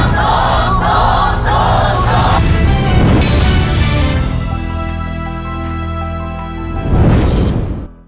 โทษโทษโทษ